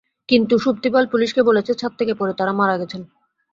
কিন্তু সুপ্তি পাল পুলিশকে বলেছে, ছাদ থেকে পড়ে তাঁরা মারা গেছেন।